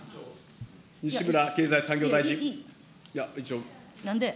西村経済産業大臣。